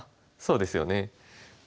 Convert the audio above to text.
そうですよね。